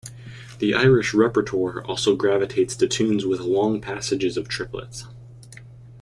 The Irish repertoire also gravitates to tunes with long passages of triplets.